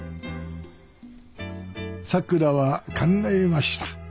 さくらは考えました。